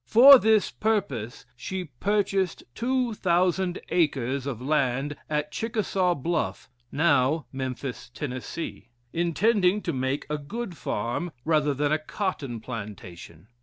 For this purpose she purchased two thousand acres of land at Chickasaw Bluffe, (now Memphis, Tennessee), intending to make a good farm rather than a cotton plantation.